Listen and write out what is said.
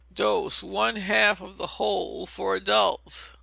Dose, one half of the whole for adults.